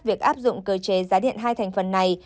việc áp dụng cơ chế giá điện hai thành phần này